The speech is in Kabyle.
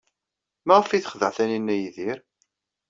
Maɣef ay texdeɛ Taninna Yidir?